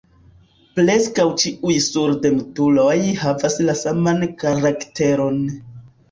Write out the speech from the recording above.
Preskaŭ ĉiuj surdmutuloj havas la saman karakteron.